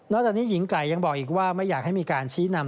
จากนี้หญิงไก่ยังบอกอีกว่าไม่อยากให้มีการชี้นำ